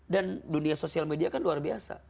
dan dunia sosial media kan luar biasa